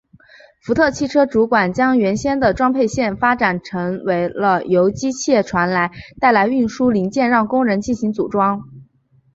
福特汽车主管将原先的装配线发展成为了由机械传送带来运输零件让工人进行组装。